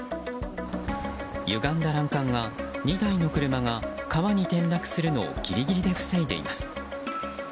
ゆがんだ欄干が２台の車が川に転落するのをギリギリで防いでいます。